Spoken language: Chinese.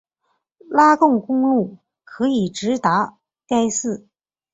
拉贡公路可以直达该寺。